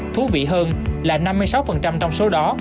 thú vị hơn là năm mươi sáu trong số đó